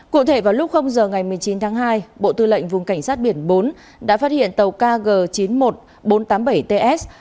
cụ thể vào lúc giờ ngày một mươi chín tháng hai bộ tư lệnh vùng cảnh sát biển bốn đã phát hiện tàu kg chín mươi một nghìn bốn trăm tám mươi bảy ts